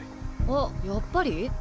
あっやっぱり？